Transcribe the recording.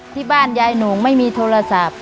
ที่บ้านยายหนูไม่มีโทรศัพท์